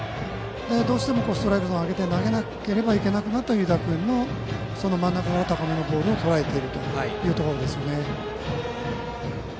どうしてもストライクゾーンを上げて投げなければいけなくなった湯田君の、真ん中高めのボールをとらえているということですよね。